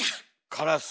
カラス！